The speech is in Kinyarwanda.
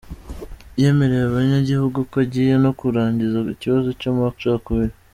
Yemereye abanyagihugu ko agiye no kurangiza ikibazo c'amacakubiri.